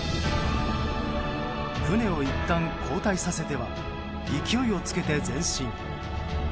船をいったん後退させては勢いをつけて前進。